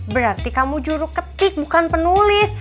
berarti kamu juru ketik bukan penulis